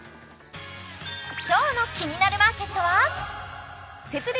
今日の「キニナルマーケット」は設立